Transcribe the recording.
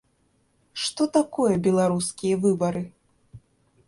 Што такое беларускія выбары?